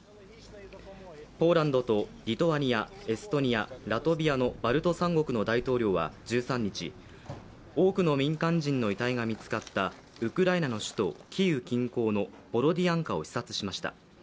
ポーランドとリトアニア、エストニア、ラトビアのバルト三国の大統領は１３日、多くの民間人の遺体が見つかったウクライナの首都キーウ近郊のボロディアンカを視察しました。